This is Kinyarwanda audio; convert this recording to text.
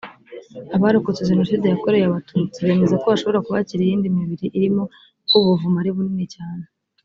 Abarokotse Jenoside yakorewe Abatutsi bemeza ko hashobora kuba hakiri iyindi mibiri irimo kuko ubu buvumo ari bunini cyane